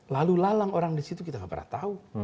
lalu lalang orang di situ kita gak pernah tahu